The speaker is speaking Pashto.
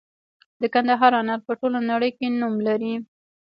د کندهار انار په ټوله نړۍ کې نوم لري.